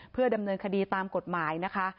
เพื่อดำเนินคดีตามกฎหมายนะคะ